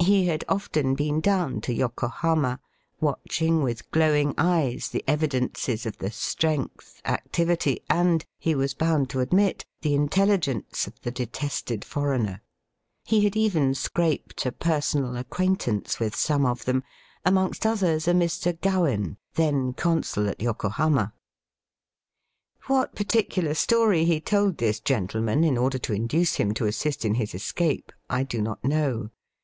He had often been down to Yokohama, watching with glowing eyes the evidences of the strength, activity, and, he was bound to admit, the intelligence of the detested foreigner. He had even scraped a personal acquaintance with some of them, amongst others a Mr. Gowen, then consul at Yokohama* What particular story he told this gentleman in order to induce him to assist in his escape I do not know.